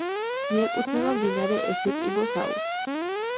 მიეკუთვნება მდინარე ესეკიბოს აუზს.